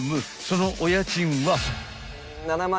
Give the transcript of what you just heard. ［そのお家賃は？］